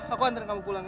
aku antar kamu pulang ya